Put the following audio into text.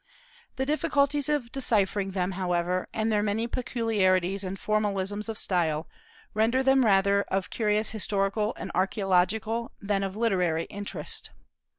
The difficulties of deciphering them, however, and their many peculiarities and formalisms of style, render them rather of curious historical and archaeological than of literary interest.